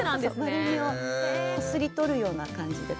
丸みをこすり取るような感じで。